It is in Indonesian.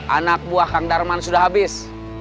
anak buah kang darman sudah habis